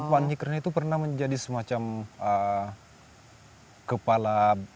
van hickren itu pernah menjadi semacam kepala